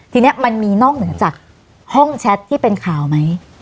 ทีนี้มันมีนอกเหนือจากห้องแชทที่เป็นข่าวไหม